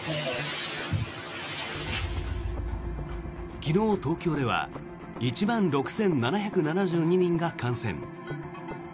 昨日、東京では１万６７７２人が感染。